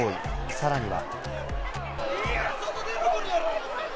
さらには。